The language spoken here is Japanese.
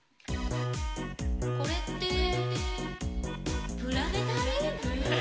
これってプラネタリウム？